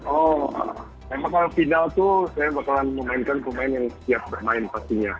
oh emang kalau final tuh saya bakalan memainkan pemain yang siap bermain pastinya